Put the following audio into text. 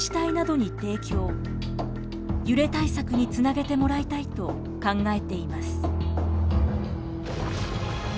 揺れ対策につなげてもらいたいと考えています。